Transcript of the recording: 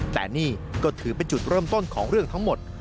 แต่นี่ก็ถือเป็นจุดเริ่มต้นของเรื่องทั้งหมด